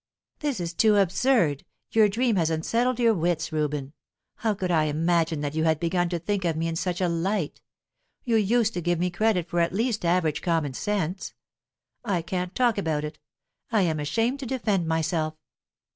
"This is too absurd Your dream has unsettled your wits, Reuben. How could I imagine that you had begun to think of me in such a light? You used to give me credit for at least average common sense. I can't talk about it; I am ashamed to defend myself."